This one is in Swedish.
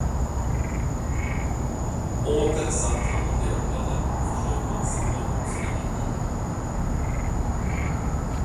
Åter satt han och grubblade och försökte att samla ihop sina minnen.